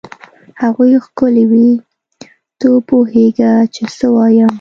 هغوی ښکلې وې؟ ته وپوهېږه چې څه وایم.